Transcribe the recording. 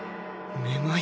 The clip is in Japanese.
めまい？